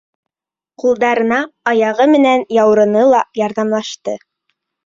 Ҡулдарына аяғы менән яурыны ла ярҙамлашты.